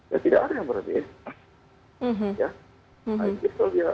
ya tidak ada yang berbeda